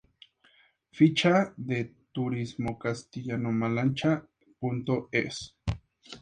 Ficha de turismocastillalamancha.es